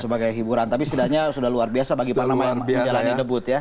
sebagai hiburan tapi setidaknya sudah luar biasa bagi panama yang menjalani debut ya